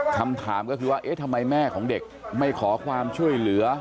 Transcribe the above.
คำถามก็คือว่าเอ๊ะทำไมแม่ของเด็กไม่ขอความช่วยเหลือ